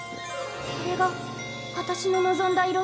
これがあたしの望んだ色。